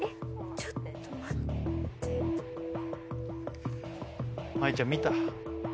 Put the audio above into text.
ちょっと待って舞衣ちゃん見た？